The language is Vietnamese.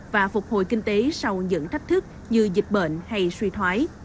và phục hồi kinh tế sau những thách thức như dịch bệnh hay suy thoái